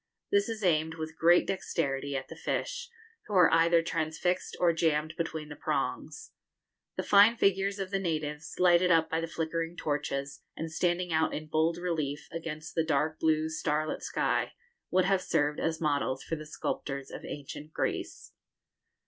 This is aimed with great dexterity at the fish, who are either transfixed or jammed between the prongs. The fine figures of the natives, lighted up by the flickering torches, and standing out in bold relief against the dark blue starlit sky, would have served as models for the sculptors of ancient Greece.